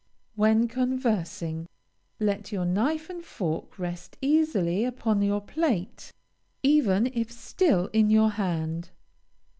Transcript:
When conversing let your knife and fork rest easily upon your plate, even if still in your hand.